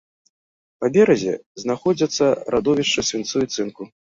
Па беразе знаходзяцца радовішчы свінцу і цынку.